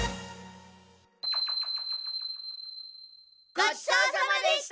ごちそうさまでした！